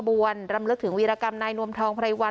วนรำลึกถึงวีรกรรมนายนวมทองไพรวัน